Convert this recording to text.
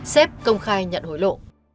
xếp công khai nhận hối lộ